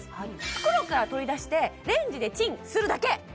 袋から取り出してレンジでチンするだけ！